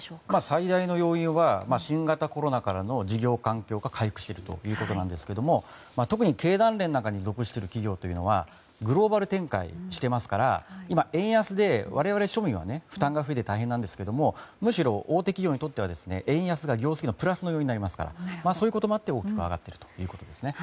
最大の要因は新型コロナからの事業環境が回復しているということなんですが特に経団連なんかに属している企業というのはグローバル展開していますから今、円安で我々庶民は負担が増えて大変なんですがむしろ大手企業にとっては円安が業績のプラスの要因になりますからそういうこともあって大きく上がっているということです。